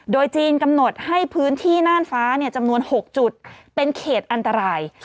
โดยจีนกำหนดให้พื้นที่น่านฟ้าจำนวน๖จุดเป็นเขตอันตราย